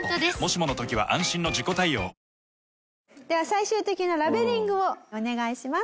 最終的なラベリングをお願いします。